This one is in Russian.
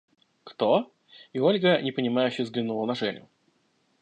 – Кто? – И Ольга непонимающе взглянула на Женю.